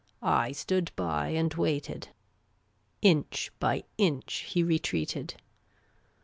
I stood by and waited. Inch by inch he retreated.